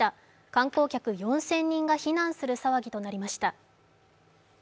観光客４０００人が避難する騒ぎとなりました。